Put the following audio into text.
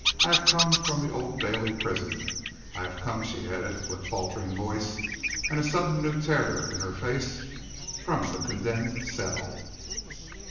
I have come from the Old Bailey prison. I have come," she added, with faltering voice, and a sudden new terror in her face, "from the condemned cell."